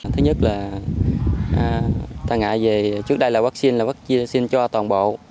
thứ nhất là ta ngại về trước đây là vaccine là vaccine cho toàn bộ